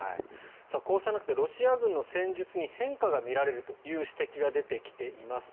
こうした中でロシア軍の戦術に変化が見られるという指摘が出てきています。